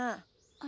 あ！